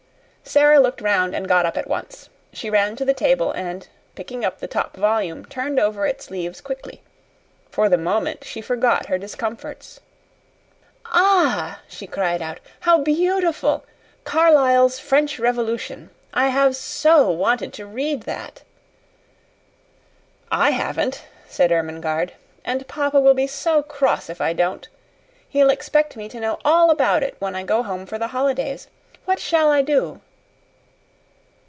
Sara looked round and got up at once. She ran to the table, and picking up the top volume, turned over its leaves quickly. For the moment she forgot her discomforts. "Ah," she cried out, "how beautiful! Carlyle's French Revolution. I have SO wanted to read that!" "I haven't," said Ermengarde. "And papa will be so cross if I don't. He'll expect me to know all about it when I go home for the holidays. What SHALL I do?"